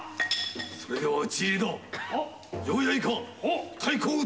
それでは討ち入りだ。